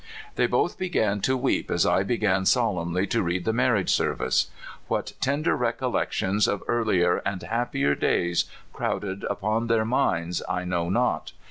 They both began to weep as I began solemnly to read the marriage service. What tender recollections of earlier and happier days crowded upon their minds I know not.